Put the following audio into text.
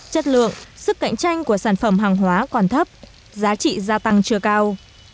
chất lượng sức cạnh tranh của sản phẩm hàng hóa còn thấp giá trị gia tăng chưa cao